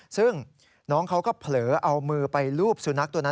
ซึ่งน้องเขาก็เผลอเอามือไปลูบสุนัขตัวนั้น